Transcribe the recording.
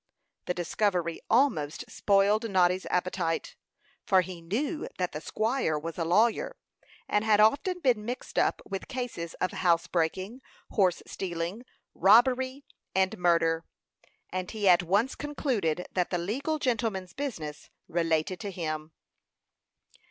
The discovery almost spoiled Noddy's appetite, for he knew that the squire was a lawyer, and had often been mixed up with cases of house breaking, horse stealing, robbery, and murder; and he at once concluded that the legal gentleman's business related to him.